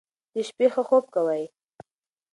د شپې ښه خوب کوئ.